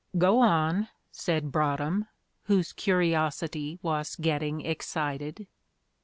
"Go on," said Broadhem, whose curiosity was getting excited.